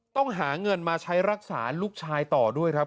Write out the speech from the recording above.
ต้องหาเงินมาใช้รักษาลูกชายต่อด้วยครับ